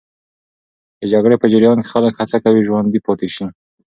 د جګړې په جریان کې خلک هڅه کوي ژوندي پاتې سي.